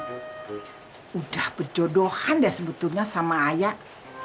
sudah berjodohan deh sebetulnya sama ayah